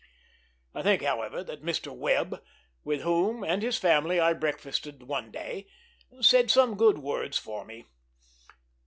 I think, however, that Mr. Webb, with whom and his family I breakfasted one day, said some good words for me.